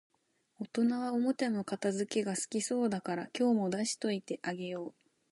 大人はおもちゃの片づけ好きそうだから、今日も出しておいてあげよう